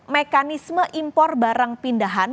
mekanisme impor barang pindahan